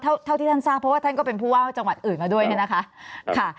เท่าเท่าที่ท่านทราบเพราะว่าท่านก็เป็นผู้ว่าจังหวัดอื่นมาด้วยเนี่ยนะคะค่ะ